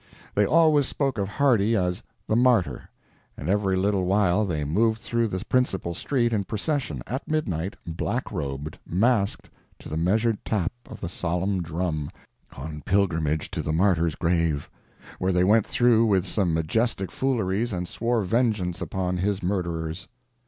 They always spoke of Hardy as "the Martyr," and every little while they moved through the principal street in procession—at midnight, black robed, masked, to the measured tap of the solemn drum—on pilgrimage to the Martyr's grave, where they went through with some majestic fooleries and swore vengeance upon his murderers.